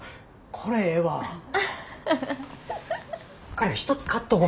刈谷一つ買っとこ。